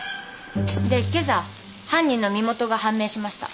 で今朝犯人の身元が判明しました。